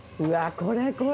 これこれ！